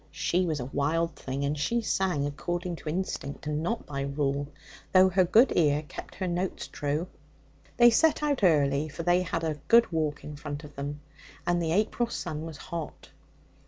She was a wild thing, and she sang according to instinct, and not by rule, though her good ear kept her notes true. They set out early, for they had a good walk in front of them, and the April sun was hot.